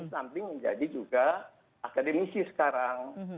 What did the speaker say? samping menjadi juga akademisi sekarang